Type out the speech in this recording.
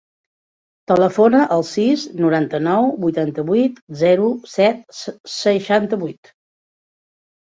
Telefona al sis, noranta-nou, vuitanta-vuit, zero, set, seixanta-vuit.